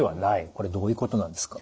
これどういうことなんですか？